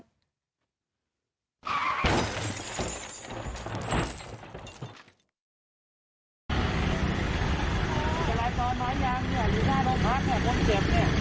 สลายจรม้ายางหรือสลายรองม้าแขกว่าไม่เจ็บ